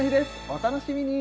お楽しみに